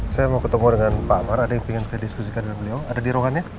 saya mau ketemu dengan pak amar ada yang ingin saya diskusikan dengan beliau ada di ruangannya